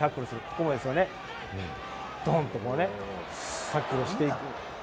ここもですね、ドンっと、タックルをしていく。